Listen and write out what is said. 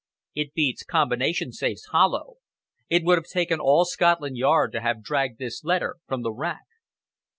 It beats combination safes hollow. It would have taken all Scotland Yard to have dragged this letter from the rack."